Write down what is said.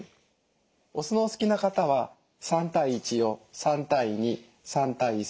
お酢のお好きな方は３対１を３対２３対３。